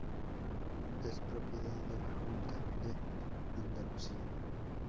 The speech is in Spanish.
Es propiedad de la Junta de Andalucía.